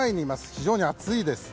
非常に暑いです。